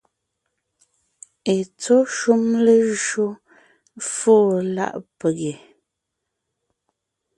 Etsɔ́ shúm lejÿo fóo láʼ pege,